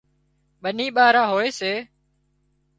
ٻني ٻارا هوئي سي